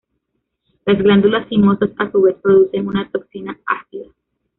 Las glándulas sinuosas, a su vez, producen una toxina ácida.